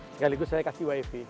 sekaligus saya kasih wifi